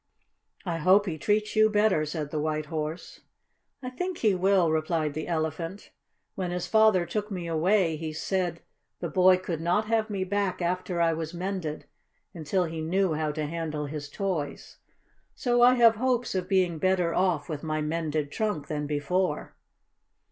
"I hope he treats you better," said the White Horse. "I think he will," replied the Elephant. "When his father took me away he said the boy could not have me back after I was mended until he knew how to handle his toys. So I have hopes of being better off with my mended trunk than before."